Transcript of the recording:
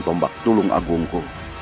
tombak tulung agungku